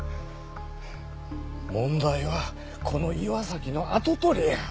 問題はこの岩崎の跡取りや。